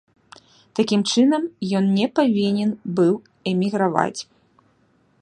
Такім чынам, ён не павінен быў эміграваць.